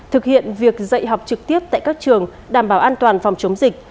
thực hiện việc dạy học trực tiếp tại các trường đảm bảo an toàn phòng chống dịch